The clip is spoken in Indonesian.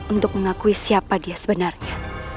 untuk mengakui siapa dia sebenarnya